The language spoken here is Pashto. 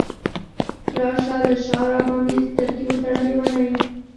راشه له شاه راباندې سترګې وتړه لیونۍ !